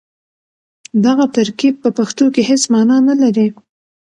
دغه ترکيب په پښتو کې هېڅ مانا نه لري.